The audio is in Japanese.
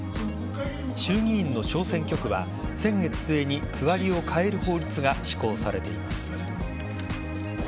衆議院の小選挙区は先月末に区割りを変える法律が施行されています。